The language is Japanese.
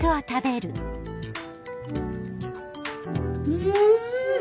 うん！